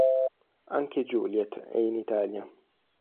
Anche Juliet è in Italia.